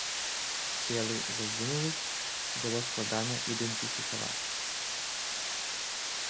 Целы загінулых было складана ідэнтыфікаваць.